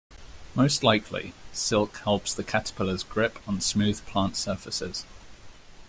Most likely, silk helps the caterpillars grip on smooth plant surfaces.